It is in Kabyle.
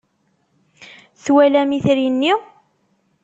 Twalam itri-nni?